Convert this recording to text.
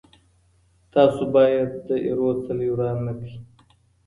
تاسو باید د ايرو څلی وران نه کړئ.